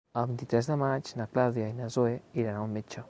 El vint-i-tres de maig na Clàudia i na Zoè iran al metge.